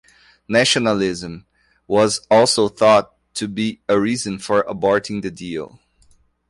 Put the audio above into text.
Nationalism was also thought to be a reason for aborting the deal.